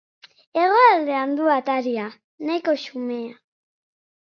Hegoaldean du ataria, nahiko xumea.